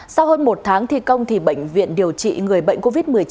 sau hơn một tháng thi công bệnh viện điều trị người bệnh covid một mươi chín